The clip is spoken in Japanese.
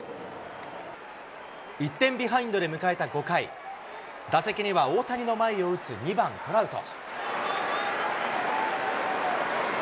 １点ビハインドで迎えた５回、打席には大谷の前を打つ２番トラウト。